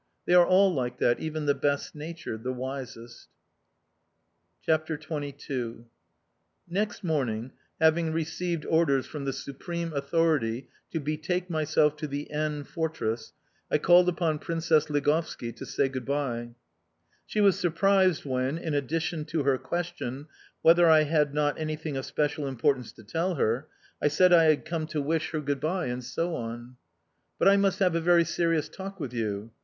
They are all like that, even the best natured, the wisest... CHAPTER XXII NEXT morning, having received orders from the supreme authority to betake myself to the N Fortress, I called upon Princess Ligovski to say good bye. She was surprised when, in answer to her question, whether I had not anything of special importance to tell her, I said I had come to wish her good bye, and so on. "But I must have a very serious talk with you."